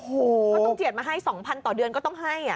ต้องเจียตมาให้๒๐๐๐ต่อเดือนก็ต้องให้